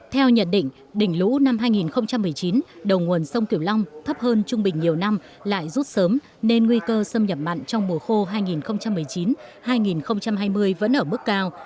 theo nhận định đỉnh lũ năm hai nghìn một mươi chín đầu nguồn sông kiểu long thấp hơn trung bình nhiều năm lại rút sớm nên nguy cơ xâm nhập mặn trong mùa khô hai nghìn một mươi chín hai nghìn hai mươi vẫn ở mức cao